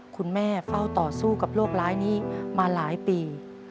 คุณแม่เฝ้าต่อสู้กับโรคร้ายนี้มาหลายปี